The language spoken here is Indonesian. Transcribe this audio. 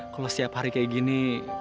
kalau setiap hari kayak gini